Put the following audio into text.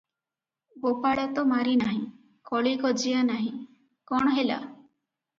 ଗୋପାଳ ତ ମାରି ନାହିଁ, କଳି କଜିଆ ନାହିଁ, କଣ ହେଲା?